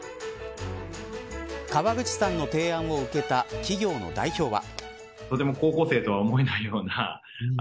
川口さんの提案を受けた企業の代表は。